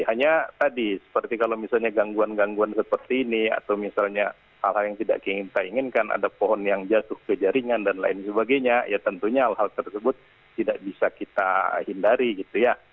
hanya tadi seperti kalau misalnya gangguan gangguan seperti ini atau misalnya hal hal yang tidak kita inginkan ada pohon yang jatuh ke jaringan dan lain sebagainya ya tentunya hal hal tersebut tidak bisa kita hindari gitu ya